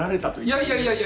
いやいやいやいや！